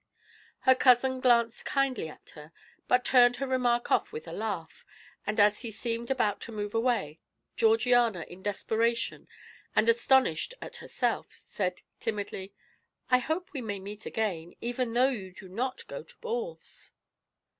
Her cousin glanced kindly at her, but turned her remark off with a laugh; and as he seemed about to move away, Georgiana, in desperation, and astonished at herself, said timidly: "I hope we may meet again, even though you do not go to balls."